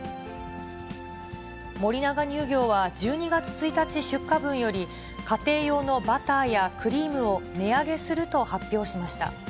森永乳業は１２月１日出荷分より、家庭用のバターやクリームを値上げすると発表しました。